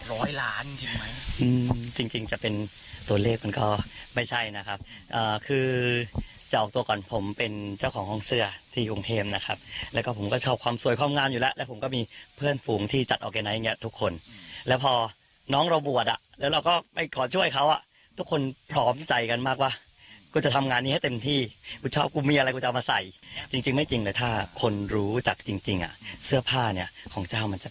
ร้อยล้านจริงจะเป็นตัวเลขมันก็ไม่ใช่นะครับคือจะออกตัวก่อนผมเป็นเจ้าของห้องเสื้อที่กรุงเพมนะครับแล้วก็ผมก็ชอบความสวยความงามอยู่แล้วแล้วผมก็มีเพื่อนฝูงที่จัดออกไอไนท์อย่างนี้ทุกคนแล้วพอน้องเราบวชแล้วเราก็ไปขอช่วยเขาทุกคนพร้อมใจกันมากว่ากูจะทำงานนี้ให้เต็มที่กูชอบกูมีอะไรกูจะมาใส่จริงไม่จริง